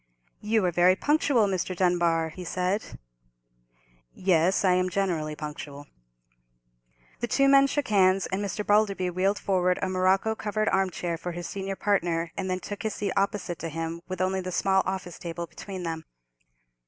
"You are very punctual, Mr. Dunbar," he said. "Yes, I am generally punctual." The two men shook hands, and Mr. Balderby wheeled forward a morocco covered arm chair for his senior partner, and then took his seat opposite to him, with only the small office table between them.